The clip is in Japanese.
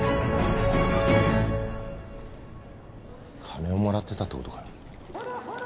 金をもらってたって事か？